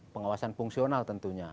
pengawasan fungsional tentunya